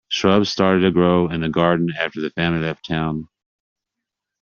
Shrubs started to grow in the garden after that family left town.